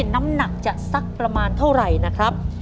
น้ำหนักจะสักประมาณเท่าไหร่นะครับ